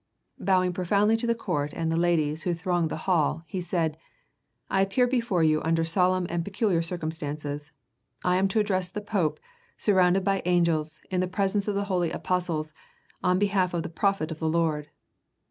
Bowing profoundly to the court and the ladies who thronged the hall, he said: "I appear before you under solemn and peculiar circumstances. I am to address the Pope, surrounded by angels, in the presence of the holy apostles, in behalf of the Prophet of the Lord."